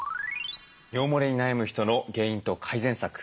尿もれに悩む人の原因と改善策